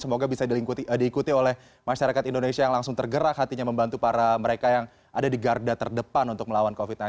semoga bisa diikuti oleh masyarakat indonesia yang langsung tergerak hatinya membantu para mereka yang ada di garda terdepan untuk melawan covid sembilan belas